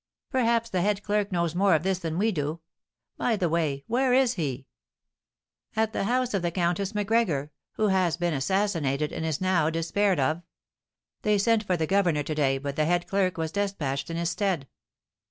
"Perhaps the head clerk knows more of this than we do. By the way, where is he?" "At the house of the Countess Macgregor, who has been assassinated, and is now despaired of. They sent for the governor to day, but the head clerk was despatched in his stead."